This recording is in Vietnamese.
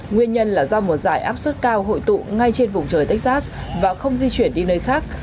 nguyên nhân là do một giải áp suất cao hội tụ ngay trên vùng trời texas và không di chuyển đi nơi khác